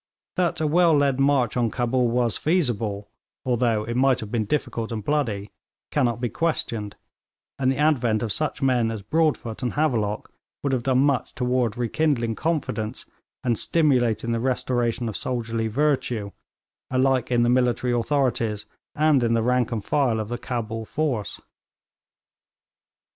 That a well led march on Cabul was feasible, although it might have been difficult and bloody, cannot be questioned, and the advent of such men as Broadfoot and Havelock would have done much toward rekindling confidence and stimulating the restoration of soldierly virtue, alike in the military authorities and in the rank and file of the Cabul force.